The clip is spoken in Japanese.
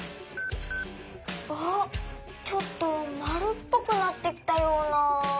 あっちょっとまるっぽくなってきたような。